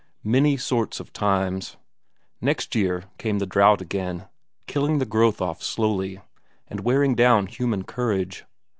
Many sorts of times. Next year came the drought again, killing the growth off slowly, and wearing down human courage.